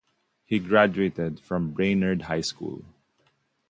He graduated from Brainerd High School.